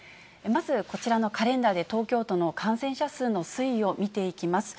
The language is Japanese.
まずこちらのカレンダーで、東京都の感染者数の推移を見ていきます。